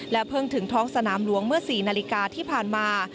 เพิ่งถึงท้องสนามหลวงเมื่อ๔นาฬิกาที่ผ่านมา